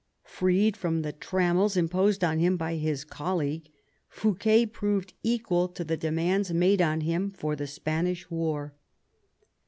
Freed from the trammels imposed on him by his colleague, Fouquet proved equal to the demands made on him for the Spanish war.